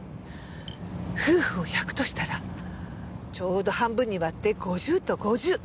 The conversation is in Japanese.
夫婦を１００としたらちょうど半分に割って５０と５０。